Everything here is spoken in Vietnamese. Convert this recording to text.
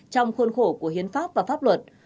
trong khuôn khổ của hiến pháp và pháp luật